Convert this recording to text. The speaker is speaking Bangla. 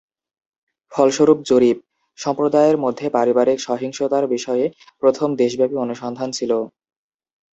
ফলস্বরূপ জরিপ, সম্প্রদায়ের মধ্যে পারিবারিক সহিংসতার বিষয়ে প্রথম দেশব্যাপী অনুসন্ধান ছিল।